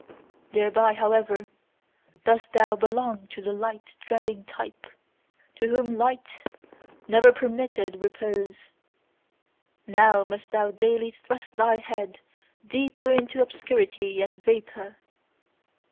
THEREBY, however, dost thou belong to the light dreading type, to whom light never permitteth repose: now must thou daily thrust thy head deeper into obscurity and vapour!